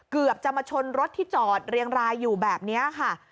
เกือบจะมาชนรถที่จอดเรียงรายอยู่แบบนี้ค่ะ